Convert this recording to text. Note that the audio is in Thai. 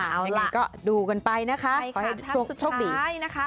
เอาล่ะดูกันไปนะคะขอให้ช่วงสุดท้ายนะคะ